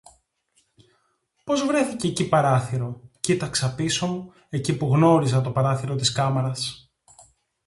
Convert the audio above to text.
«Πώς βρέθηκε κει παράθυρο;» Κοίταξα πίσω μου, εκεί που γνώριζα το παράθυρο της κάμαρας